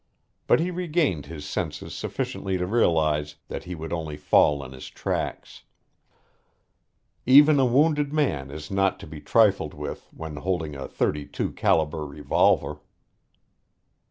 But he regained his senses sufficiently to realize that he would only fall in his tracks. Even a wounded man is not to be trifled with when holding a thirty two caliber revolver.